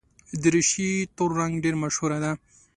دریشي تور رنګ ډېره مشهوره ده.